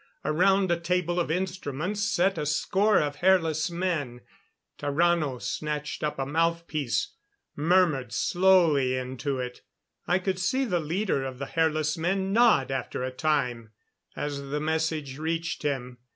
Around a table of instruments sat a score of hairless men. Tarrano snatched up a mouthpiece murmured slowly into it. I could see the leader of the hairless men nod after a time, as the message reached him.